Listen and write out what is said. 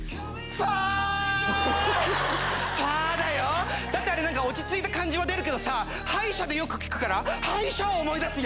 ファーだよだってあれ落ち着いた感じは出るけどさ歯医者でよく聴くから歯医者を思い出すよ。